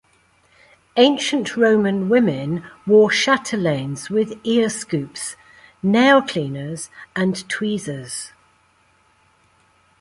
Ancient Roman women wore chatelaines with ear scoops, nail cleaners, and tweezers.